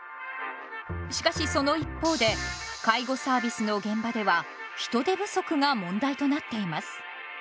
しかしその一方で介護サービスの現場では人手不足が問題となっています。